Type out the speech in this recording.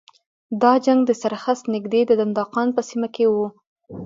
دا جنګ د سرخس نږدې د دندان قان په سیمه کې و.